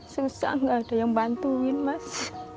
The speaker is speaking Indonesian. susah nggak ada yang bantuin mas